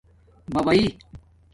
بباݵئ